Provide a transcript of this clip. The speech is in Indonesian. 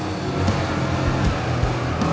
gak ada yang mau ngomong